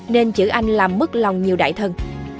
nên chữ anh làm mất lòng nhiều đại thần